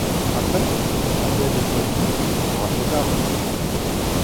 Après, à bien des points de vue, il sera trop tard.